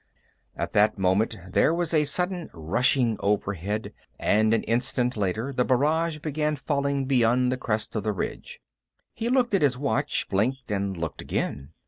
At that moment, there was a sudden rushing overhead, and an instant later, the barrage began falling beyond the crest of the ridge. He looked at his watch, blinked, and looked again.